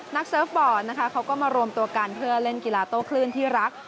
เซิร์ฟบอร์ดนะคะเขาก็มารวมตัวกันเพื่อเล่นกีฬาโต้คลื่นที่รัก